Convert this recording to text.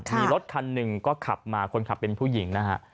มีรถคันหนึ่งก็ขับมาคนขับเป็นผู้หญิงนะฮะ